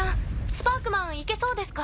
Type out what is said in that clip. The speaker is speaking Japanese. スパークマンいけそうですか？